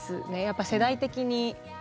やっぱ世代的に。